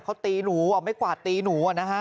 เค้าตีหนูไม่กวาดตีหนูอ่ะนะฮะ